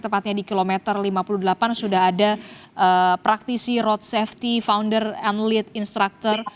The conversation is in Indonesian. tepatnya di kilometer lima puluh delapan sudah ada praktisi road safety founder and lead instructure